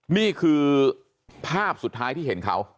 นี่คือภาพสุดท้ายที่เห็นเขา